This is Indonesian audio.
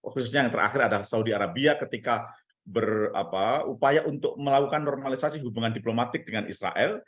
khususnya yang terakhir adalah saudi arabia ketika berupaya untuk melakukan normalisasi hubungan diplomatik dengan israel